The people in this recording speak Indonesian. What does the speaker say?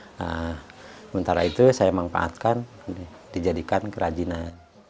sementara itu saya memanfaatkan dijadikan kerajinan